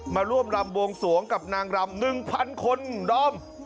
มาร่วมรำบวงสวงกับนางรำ๑๐๐คนดอม